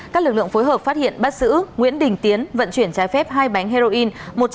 các lực lượng phối hợp phát hiện bắt giữ nguyễn đình tiến vận chuyển trái phép hai bánh heroin